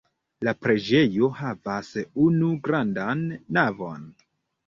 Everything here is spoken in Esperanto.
La preĝejo havas unu grandan navon.